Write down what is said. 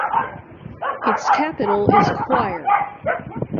Its capital is Choir.